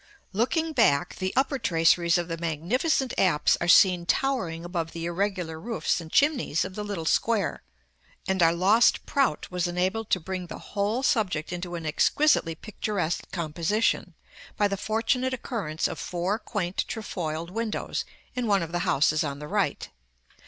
Looking back, the upper traceries of the magnificent apse are seen towering above the irregular roofs and chimneys of the little square; and our lost Prout was enabled to bring the whole subject into an exquisitely picturesque composition, by the fortunate occurrence of four quaint trefoiled windows in one of the houses on the right.